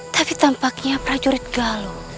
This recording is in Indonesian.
tapi tampaknya prajurit galuh